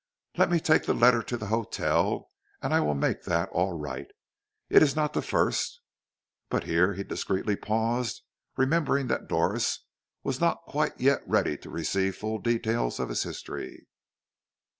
"Let me take the letter to the hotel, and I will make that all right. It is not the first " But here he discreetly paused, remembering that Doris was not yet quite ready to receive the full details of his history.